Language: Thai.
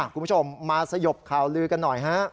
คุณผู้ชมมาสยบข่าวลือกันหน่อยฮะ